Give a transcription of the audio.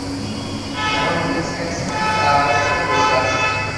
এখনও বেঁচে আছে কেন তা তো বুঝলাম না!